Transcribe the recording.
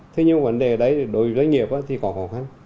thế nhưng vấn đề đấy đối với doanh nghiệp thì có khó khăn